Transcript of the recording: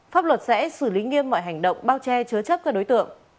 pháp luật sẽ xử lý nghiêm mọi hành động bao che chứa chấp các đối tượng